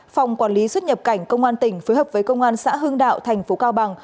phòng quản lý xuất nhập cảnh công an tỉnh phối hợp với công an xã hưng đạo thành phố cao bằng